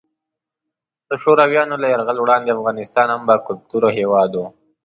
د شورویانو له یرغل وړاندې افغانستان هم باکلتوره هیواد وو.